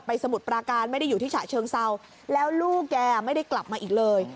สมุทรปราการไม่ได้อยู่ที่ฉะเชิงเศร้าแล้วลูกแกไม่ได้กลับมาอีกเลย